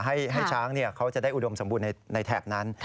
ให้ช้างเขาจะได้อุดมสมบูรณ์ในแถบนั้น